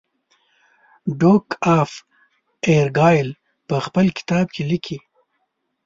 ډوک آف ارګایل په خپل کتاب کې لیکي.